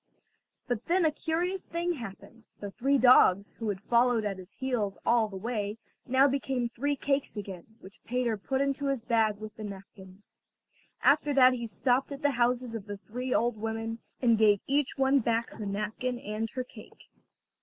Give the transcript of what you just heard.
But then a curious thing happened; the three dogs, who had followed at his heels all the way, now became three cakes again, which Peter put into his bag with the napkins. After that he stopped at the houses of the three old women, and gave each one back her napkin and her cake.